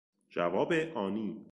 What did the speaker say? جواب آنی